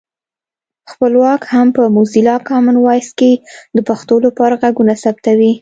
خپلواک هم په موزیلا کامن وایس کې د پښتو لپاره غږونه ثبتوي